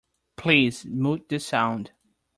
Please mute the sound.